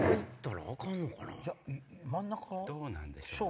どうなんでしょう？